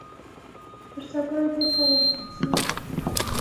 پر سبا يې بېرته رهي سوم.